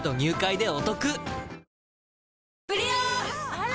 あら！